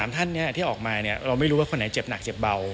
๓ท่านที่ออกมาเราไม่รู้ว่าคนไหนเจ็บหนักเจ็บเบา